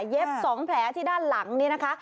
เย็บสองแผลที่ด้านหลังนี่นะคะ